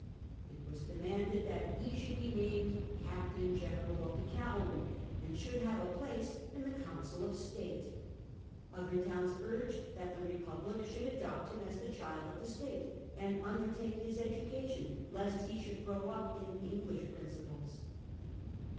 It was demanded that he should be named captain general of the cavalry, and should have a place in the Coyncil of State. Other towns urged that the Re 1667. Desire for Peace, 137 public should adopt him as the child of the State, and undertake his education lest he should grow up in Eng lish principles.